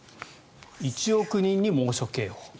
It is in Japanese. １億人に猛暑警報。